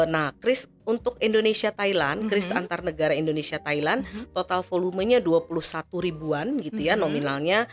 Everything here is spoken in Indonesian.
nah kris untuk indonesia thailand cris antar negara indonesia thailand total volumenya dua puluh satu ribuan gitu ya nominalnya